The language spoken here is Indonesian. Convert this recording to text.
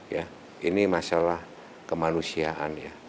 ya ini masalah kemanusiaan ya